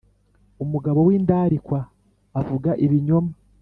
umugabo w’indarikwa avuga ibinyoma